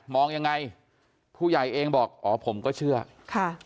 ยังไงผู้ใหญ่เองบอกอ๋อผมก็เชื่อค่ะ